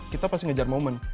kita pasti ngejar momen